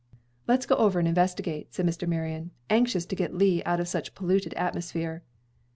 "Let's go over and investigate," said Mr. Marion, anxious to get Lee out of such polluted atmosphere.